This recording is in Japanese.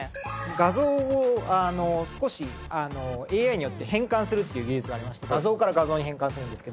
画像を少しＡＩによって変換するっていう技術がありまして画像から画像に変換するんですけど。